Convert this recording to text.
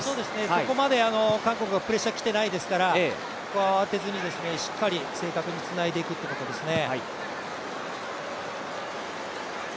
そこまで韓国がプレッシャー来てないですから、ここは慌てずにしっかり正確につないでいくということですね。